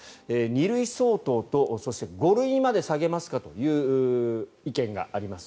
２類相当と、そして５類まで下げますかという意見があります。